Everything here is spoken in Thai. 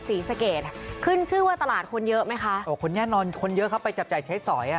ศรีสะเกดอ่ะขึ้นชื่อว่าตลาดคนเยอะไหมคะโอ้คนแน่นอนคนเยอะครับไปจับจ่ายใช้สอยอ่ะ